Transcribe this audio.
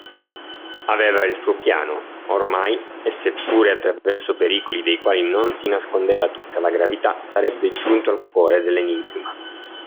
Aveva il suo piano, ormai, e, seppure attraverso pericoli dei quali non si nascondeva tutta la gravità, sarebbe giunto al cuore dell’enigma.